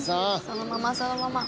そのままそのまま。